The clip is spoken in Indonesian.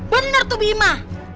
bener tuh bima